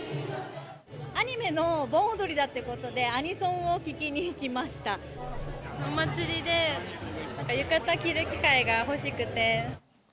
アニメの盆踊りだってことで、お祭りで浴衣着る機会が欲しくて。